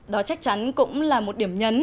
đó chắc chắn cũng là một điểm nhấn